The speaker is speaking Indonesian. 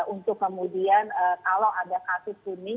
untuk kemudian kalau ada kasus kuning